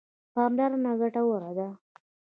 پاملرنه ګټوره ده.